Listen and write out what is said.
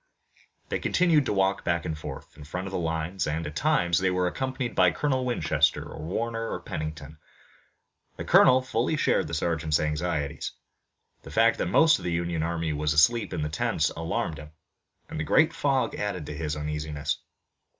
They continued to walk back and forth, in front of the lines, and, at times, they were accompanied by Colonel Winchester or Warner or Pennington. The colonel fully shared the sergeant's anxieties. The fact that most of the Union army was asleep in the tents alarmed him, and the great fog added to his uneasiness.